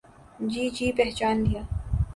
جی جی پہچان لیا۔